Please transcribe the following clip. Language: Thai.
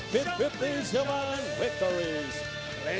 ของว้ายให้รับทฤษวัน